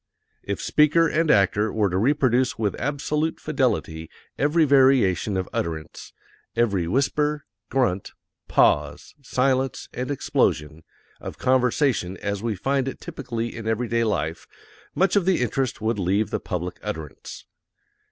If speaker and actor were to reproduce with absolute fidelity every variation of utterance every whisper, grunt, pause, silence, and explosion of conversation as we find it typically in everyday life, much of the interest would leave the public utterance.